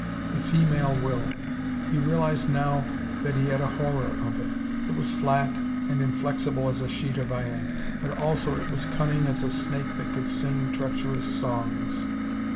The female will! He realised now that he had a horror of it. It was flat and inflexible as a sheet of iron. But also it was cunning as a snake that could sing treacherous songs.